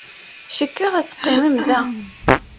Cikkeɣ ad teqqimem da.